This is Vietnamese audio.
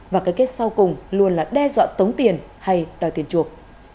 và cái kết sau cùng luôn là đe dọa tống tiền hay đòi tiền chuộc